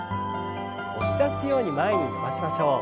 押し出すように前に伸ばしましょう。